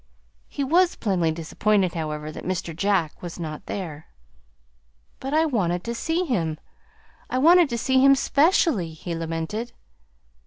He was plainly disappointed, however, that Mr. Jack was not there. "But I wanted to see him! I wanted to see him 'specially," he lamented.